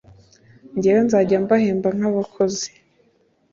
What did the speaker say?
ngewe nzajya mbahemba nk’abakozi